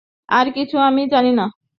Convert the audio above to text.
আর কিছু আমি জানি না।